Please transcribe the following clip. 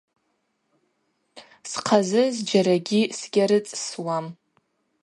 Схъазы зджьарагьи сгьарыцӏсуам.